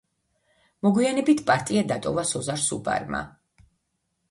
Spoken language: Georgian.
მოგვიანებით პარტია დატოვა სოზარ სუბარმა.